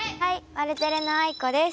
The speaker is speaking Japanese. ワルテレのあいこです。